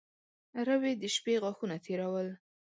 افسانه: روې د شپې غاښونه تېرول.